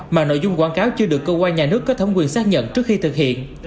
mà nội dung quảng cáo chưa được cơ quan nhà nước có thẩm quyền xác nhận trước khi thực hiện